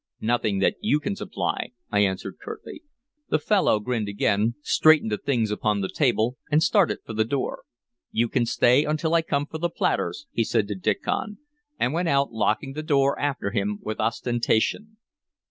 "Nothing that you can supply," I answered curtly. The fellow grinned again, straightened the things upon the table, and started for the door. "You can stay until I come for the platters," he said to Diccon, and went out, locking the door after him with ostentation.